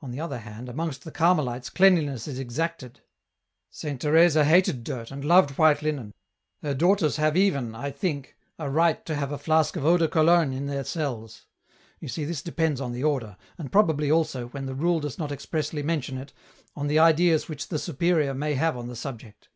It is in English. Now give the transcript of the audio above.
On the other hand, amongst the Carmelites cleanliness is exacted. Saint Teresa hated dirt, and loved white linen, her daughters have even, I think, a right to have a flask of Eau de Cologne in their cells. You see this depends on the order, and probably also, when the rule does not expressly mention it, on the ideas which the superior may have on the subject.